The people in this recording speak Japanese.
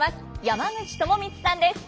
山口智充さんです。